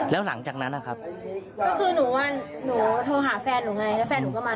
แล้วหลังจากนั้นนะครับก็คือหนูว่าหนูโทรหาแฟนหนูไง